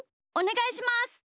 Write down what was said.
おねがいします。